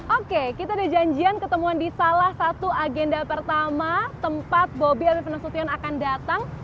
oke kita ada janjian ketemuan di salah satu agenda pertama tempat bobby arif nasution akan datang